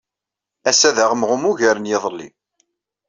Ass-a d aɣemɣum ugar n yiḍelli.